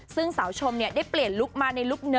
ซึ่งสาวชมได้เปลี่ยนลุคมาในลุคเนอ